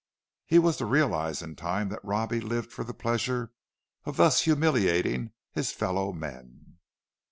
He was to realize in time that Robbie lived for the pleasure of thus humiliating his fellow men.